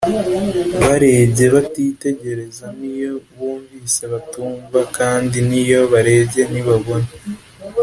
barebye batitegereza n iyo bumvise batumva kandi niyo barebye ntibabona